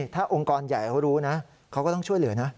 ถ้าองค์กรใหญ่เขารู้นะเขาก็ต้องช่วยเหลือนะ